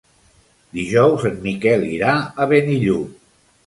Dijous en Miquel irà a Benillup.